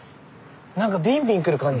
何かビンビンくる感じ。